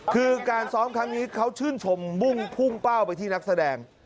คือการซ้อมคำนี้เขาชื่นชมพุ้งเป้าที่นักแสดง